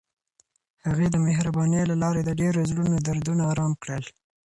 هغې د مهربانۍ له لارې د ډېرو زړونو دردونه ارام کړل.